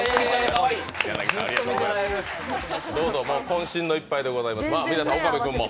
どうぞ、こん身の１杯でございます。